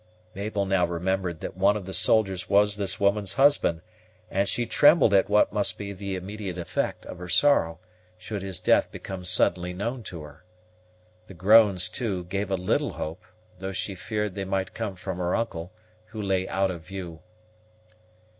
Mabel now remembered that one of the soldiers was this woman's husband, and she trembled at what might be the immediate effect of her sorrow, should his death become suddenly known to her. The groans, too, gave a little hope, though she feared they might come from her uncle, who lay out of view.